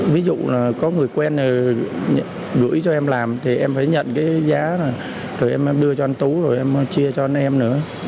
ví dụ là có người quen gửi cho em làm thì em phải nhận cái giá này rồi em đưa cho anh tú rồi em chia cho anh em nữa